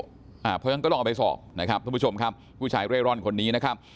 เพราะฉะนั้นก็ลองเอาไปสอบนะครับท่านผู้ชมครับผู้ชายเร่ร่อนคนนี้นะครับ